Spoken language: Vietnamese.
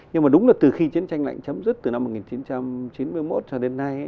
nhưng mà đúng là từ khi chiến tranh lạnh chấm dứt từ năm một nghìn chín trăm chín mươi một cho đến nay